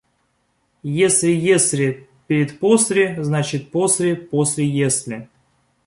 Если «если» перед «после», значит «после» после «если».